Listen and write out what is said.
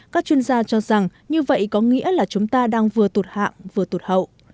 các chuyên gia cho rằng như vậy có nghĩa là chúng ta đang vừa tụt hạng vừa tụt hậu